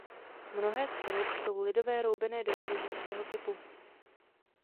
Mnohé z chalup jsou lidové roubené domy lužického typu.